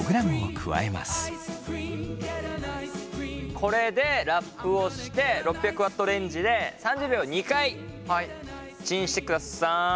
これでラップをして６００Ｗレンジで３０秒を２回チンしてください。